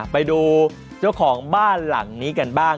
ไปดูเจ้าของบ้านหลังนี้กันบ้าง